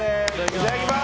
いただきます！